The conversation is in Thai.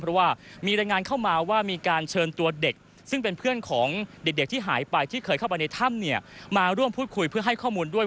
เพราะว่ามีรายงานเข้ามาว่ามีการเชิญตัวเด็กซึ่งเป็นเพื่อนของเด็กที่หายไปที่เคยเข้าไปในถ้ำเนี่ยมาร่วมพูดคุยเพื่อให้ข้อมูลด้วย